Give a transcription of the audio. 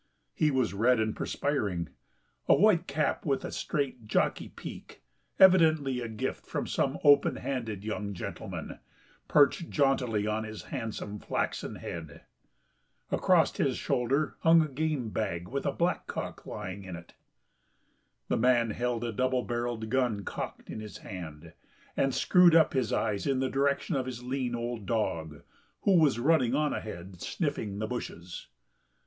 He was red and perspiring, a white cap with a straight jockey peak, evidently a gift from some open handed young gentleman, perched jauntily on his handsome flaxen head. Across his shoulder hung a game bag with a blackcock lying in it. The man held a double barrelled gun cocked in his hand, and screwed up his eyes in the direction of his lean old dog who was running on ahead sniffing the bushes.